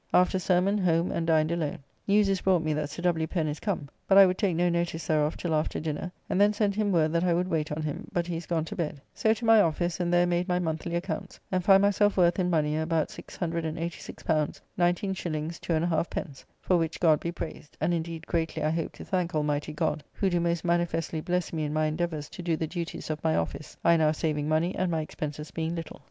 After sermon home and dined alone. News is brought me that Sir W. Pen is come. But I would take no notice thereof till after dinner, and then sent him word that I would wait on him, but he is gone to bed. So to my office, and there made my monthly accounts, and find myself worth in money about L686 19s. 2 1/2d., for which God be praised; and indeed greatly I hope to thank Almighty God, who do most manifestly bless me in my endeavours to do the duties of my office, I now saving money, and my expenses being little.